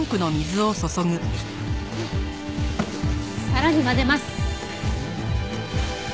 さらに混ぜます。